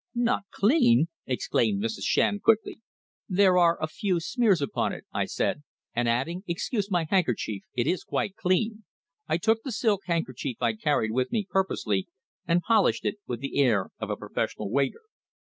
"Not clean!" exclaimed Mrs. Shand quickly. "There are a few smears upon it," I said, and adding "Excuse my handkerchief. It is quite clean," I took the silk handkerchief I carried with me purposely, and polished it with the air of a professional waiter.